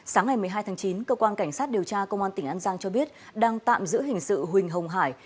sáng ngày một mươi hai tháng chín cơ quan cảnh sát điều tra công an tỉnh an giang cho biết đang tạm giữ hình sự huỳnh hồng hải